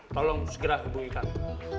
tolong segera hubungi kami